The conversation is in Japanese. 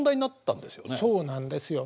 そうなんですよ。